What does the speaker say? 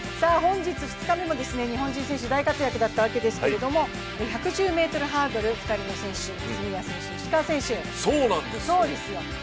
本日２日目も日本人選手、大活躍だったわけですが１１０ｍハードル、２人の選手、泉谷選手と石川選手。